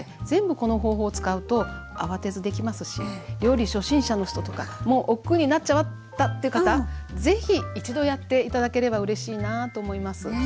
全部この方法を使うとあわてずできますし料理初心者の人とかもうおっくうになっちゃったっていう方是非一度やって頂ければうれしいなと思います。